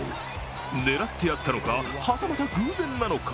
狙ってやったのか、はたまた偶然なのか。